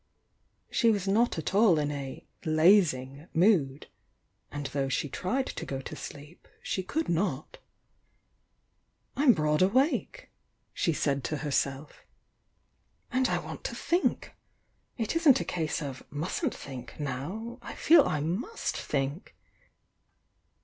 She was not at all in a "lazing" mood, and though she tried to go to sleep she could not. "I'm broad awake," she said to herself. "And 1 want to think! It isn't a case of 'mustn't think' now — I feel I must think!"